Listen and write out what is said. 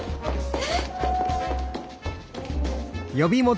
えっ！？